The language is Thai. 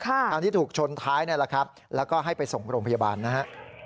ทางที่ถูกชนท้ายนี่แหละครับแล้วก็ให้ไปส่งโรงพยาบาลนะฮะ